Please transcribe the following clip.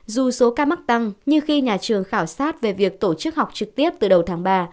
dù số ca mắc tăng nhưng khi nhà trường khảo sát về việc tổ chức học trực tiếp từ đầu tháng ba